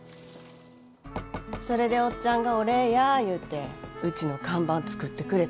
それでおっちゃんがお礼や言うてうちの看板作ってくれたんや。